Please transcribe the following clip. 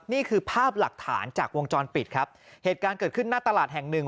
นี่คือภาพหลักฐานจากวงจรปิดครับเหตุการณ์เกิดขึ้นหน้าตลาดแห่งหนึ่ง